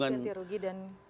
ganti rugi dan